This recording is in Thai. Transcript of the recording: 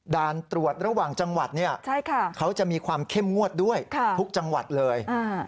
ด่านตรวจระหว่างจังหวัดเขาจะมีความเข้มงวดด้วยทุกจังหวัดเลย